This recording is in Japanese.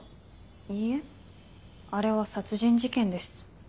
いいえあれは殺人事件です。